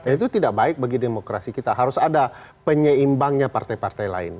itu tidak baik bagi demokrasi kita harus ada penyeimbangnya partai partai lain